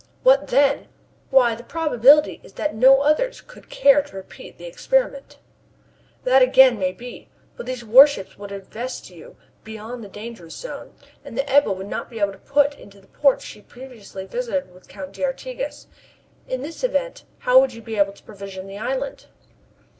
"What then? Why the probability is that no others would care to repeat the experiment." "That, again, may be. But these warships would invest you beyond the dangerous zone, and the Ebba would not be able to put in to the ports she previously visited with the Count d'Artigas. In this event, how would you be able to provision the island?"